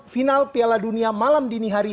final piala dunia malam dini hari